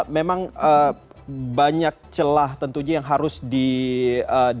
memang banyak celah tentunya yang harus dilakukan